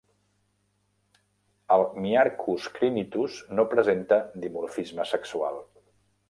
El myiarchus crinitus no presenta dimorfisme sexual.